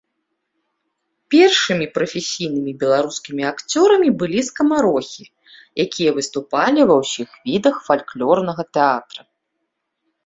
Першымі прафесійнымі беларускімі акцёрамі былі скамарохі, якія выступалі ва ўсіх відах фальклорнага тэатра.